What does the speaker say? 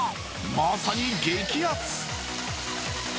まさに激アツ。